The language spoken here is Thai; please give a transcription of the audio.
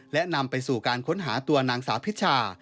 และนำไปสู่การค้นหาตัวนางสาวพิชา